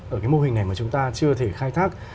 ở cái mô hình này mà chúng ta chưa thể khai thác